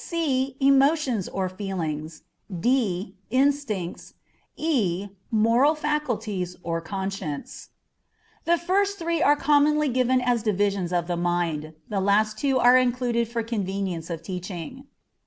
c. Emotions or feelings. d. Instincts. e. Moral faculties or conscience. The first three are commonly given as divisions of the mind; the last two are included for convenience of teaching.